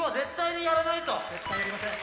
絶対やりません。